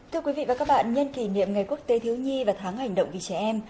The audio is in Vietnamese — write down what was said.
thưa quý vị và các bạn nhân kỷ niệm ngày quốc tế thiếu nhi và tháng hành động vì trẻ em